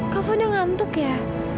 kafa udah ngantuk ya